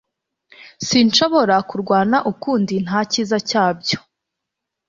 Sinshobora kurwana ukundi ntacyiza cya byo